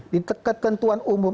di ketentuan umum